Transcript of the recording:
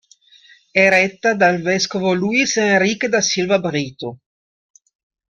È retta dal vescovo Luiz Henrique da Silva Brito.